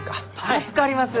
助かります！